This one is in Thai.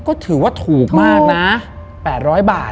ก็ถือว่าถูกมากนะ๘๐๐บาท